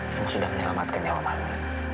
kamu sudah menyelamatkan nyawa mami